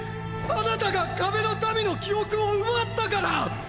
あなたが壁の民の記憶を奪ったから！！